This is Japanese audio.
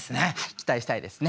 期待したいですね。